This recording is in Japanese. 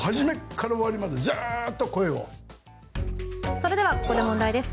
それでは、ここで問題です。